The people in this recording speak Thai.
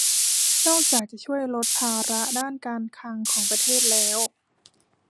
นอกจากจะช่วยลดภาระด้านการคลังของประเทศแล้ว